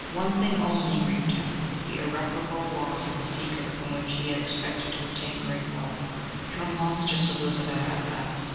One thing only grieved him: the irreparable loss of the secret from which he had expected to obtain great wealth. "You are a monster!" said Lizaveta at last.